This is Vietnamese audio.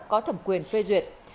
có thẩm quyền phê duyệt